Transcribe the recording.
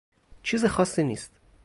چیز خاصی نیست